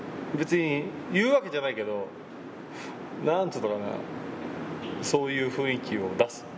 別に言うわけじゃないけど、なんていうのかな、そういう雰囲気を出す。